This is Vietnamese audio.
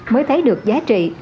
mới thấy được giá trị